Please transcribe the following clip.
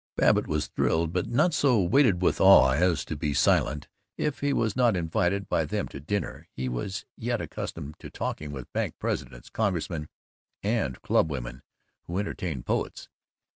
Babbitt was thrilled, but not so weighted with awe as to be silent. If he was not invited by them to dinner, he was yet accustomed to talking with bank presidents, congressmen, and clubwomen who entertained poets.